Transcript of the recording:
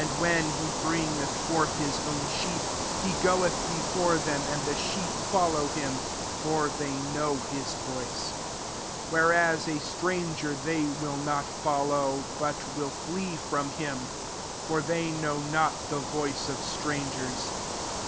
when he bringeth forth his own sheep, he goeth before them, and the sheep follow him ; for they know his voice. 5 Where as, a stranger they will not fol low, but will flee from him : for they know not the voice of strangers.